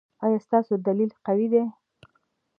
ایا ستاسو دلیل قوي دی؟